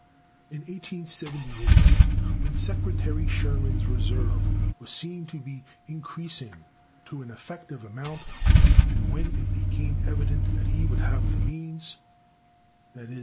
In 1878, when Secretary Sherman's reserve was seen to be increasing to an effective amount, and when it became evident that he would have the means (i.e.